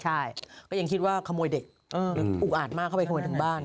ใช่มีคนอย่างคิดว่าขโมยเด็กอุระอัดมากเข้าไปถึงบ้าน